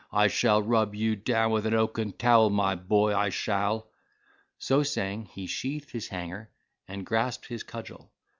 I shall rub you down with an oaken towel, my boy, I shall." So saying, he sheathed his hanger, and grasped his cudgel.